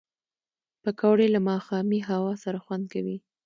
پکورې له ماښامي هوا سره خوند کوي